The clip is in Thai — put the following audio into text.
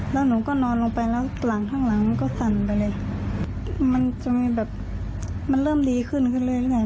แล้วหนูก็นอนลงไปแล้วหลังข้างหลังมันก็สั่นไปเลยมันจะมีแบบมันเริ่มดีขึ้นขึ้นเรื่อย